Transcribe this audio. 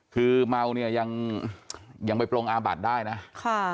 คือเมายังไปปลงอาบัดได้นะ